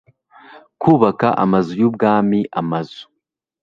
kubaka amazu y ubwami amazu